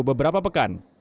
tunggu beberapa pekan